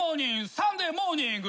「サンデーモーニング！